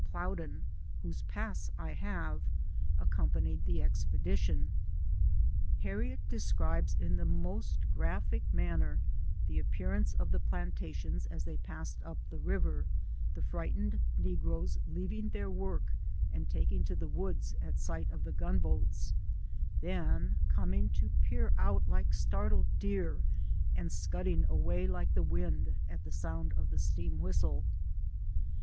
Plowden, whose pass I have, accompanied the expedition. Harriet describes in the most graphic manner the appearance of the plantations as they passed up the river ; the frightened negroes leaving their work and taking to the woods, at sight of the gun boats ; then coming to peer out like startled deer, and scudding away like the wind at the sound of the 40 SOME SCENES IN THE steam whistle.